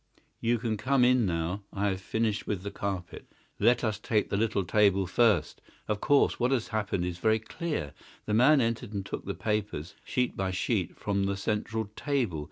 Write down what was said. You can come in now. I have finished with the carpet. Let us take the little table first. Of course, what has happened is very clear. The man entered and took the papers, sheet by sheet, from the central table.